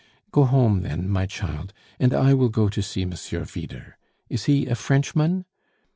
"Go home, then, my child, and I will go to see Monsieur Vyder. Is he a Frenchman?"